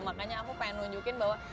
makanya aku pengen nunjukin bahwa